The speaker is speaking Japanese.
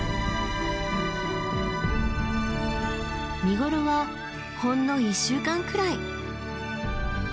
見頃はほんの１週間くらい。